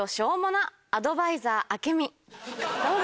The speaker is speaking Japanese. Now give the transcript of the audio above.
どうぞ。